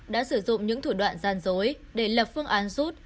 đã sử dụng những thủ đoạn gian dối để lập phương án rút